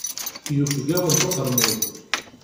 Yufeg-awent uqermud.